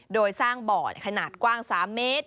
โดยสร้างบ่อขนาดกว้าง๓เมตร